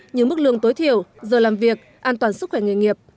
như mức lương tối thiểu giờ làm việc an toàn sức khỏe nghề nghiệp